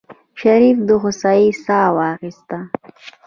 شريف د هوسايۍ سا واخيستله.